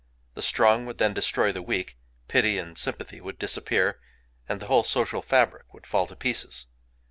The strong would then destroy the weak; pity and sympathy would disappear; and the whole social fabric would fall to pieces...